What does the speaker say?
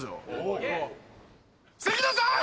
関根さん！